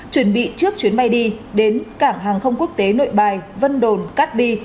chuẩn bị trước chuyến bay đi đến cảng hàng không quốc tế nội bài vân đồn cát bi